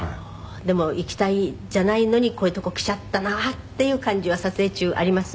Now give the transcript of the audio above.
「でも“行きたい”じゃないのにこういう所来ちゃったなっていう感じは撮影中あります？」